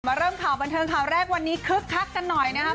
เริ่มข่าวบันเทิงข่าวแรกวันนี้คึกคักกันหน่อยนะครับ